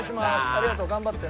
ありがとう。頑張って。